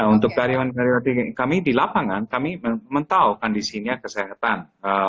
untuk karyawan karyawan kami di lapangan kami mentau kondisinya kesehatan